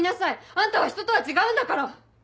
あんたはひととは違うんだから！